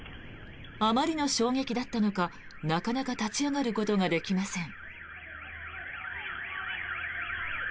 あまりの衝撃だったのかなかなか立ち上がることができません。